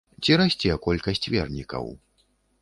Ці расце колькасць вернікаў?